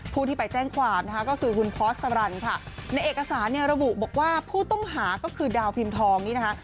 ผู้ที่ไปแจ้งความนะคะก็คือคุณพอสรรค่ะในเอกสารเนี่ยระบุบอกว่าผู้ต้องหาก็คือดาวพิมพ์ทองนี้นะคะ